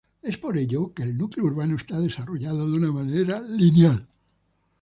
Es por ello que el núcleo urbano está desarrollado de una manera lineal.